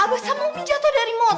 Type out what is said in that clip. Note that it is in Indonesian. abah sama umi jatuh dari motor